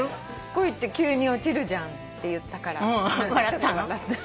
「恋って急に落ちるじゃん」って言ったからちょっと笑った。